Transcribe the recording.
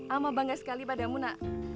ama bangga sekali padamu nak